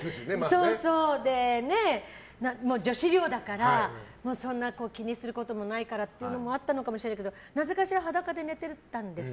女子寮だからそんな気にすることもないからっていうのもあったかのかもしれないけどなぜかしら、裸で寝てたんです。